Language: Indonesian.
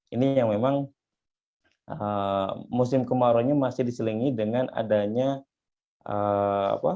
ini yang memang musim kemarau ini masih diselingi dengan adanya apa